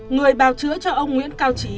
người bào chữa cho ông nguyễn cao trí